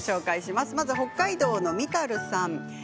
北海道の方です。